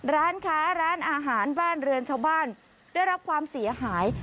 ร้านค้าร้านอาหารบ้านเรือนชาวบ้านได้รับความเสียหาย